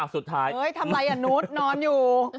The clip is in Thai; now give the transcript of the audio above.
สุดท้ายเฮ้ยทำไรอ่ะนุ๊ดนอนอยู่